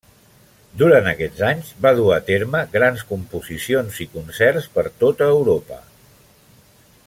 Durant aquests anys va dur a terme grans composicions i concerts per tota Europa.